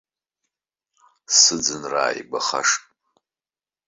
Сыӡынра ааигәахашт.